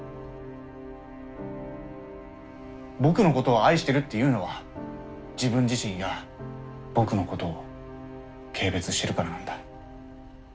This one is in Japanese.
僕のことを愛してるって言うのは自分自身や僕のことを軽蔑してるからなんだ。